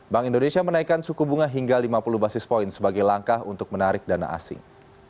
bank indonesia menaikkan suku bunga hingga lima puluh basis point sebagai langkah untuk menarik dana asing